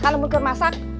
kan bukan masak